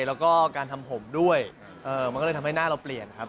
แล้วก็การทำผมด้วยมันก็เลยทำให้หน้าเราเปลี่ยนครับ